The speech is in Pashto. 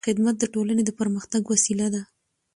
خدمت د ټولنې د پرمختګ وسیله ده.